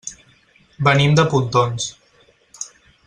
Venim de Pontons.